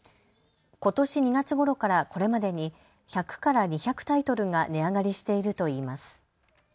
ことし２月ごろからこれまでに１００から２００タイトルが値上がりしているといいます。